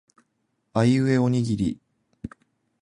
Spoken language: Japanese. あいうえおにぎり